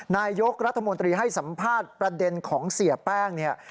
นายกรัฐมนตรีให้สัมภาษณ์ประเด็นของเสียแป้งเนี่ย